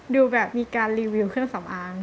ดูแบบมีการรีวิวเครื่องสำอาง